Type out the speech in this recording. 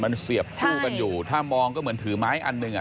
มันเสียบคู่กันอยู่ถ้ามองก็เหมือนถือไม้อันหนึ่งอ่ะ